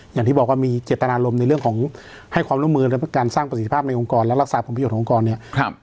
อย่างที่บอกว่ามีเจตนารมณ์ในเรื่องของให้ความร่วมมือและการสร้างประสิทธิภาพในองค์กรและรักษาผลประโยชนขององค์กรเนี่ย